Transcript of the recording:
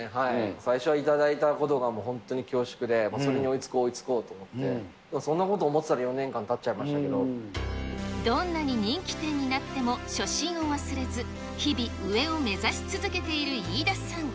最初は頂いたことがもう本当に恐縮で、それに追いつこう追いつこうと思って、そんなことを思ってたら、どんなに人気店になっても、初心を忘れず、日々、上を目指し続けている飯田さん。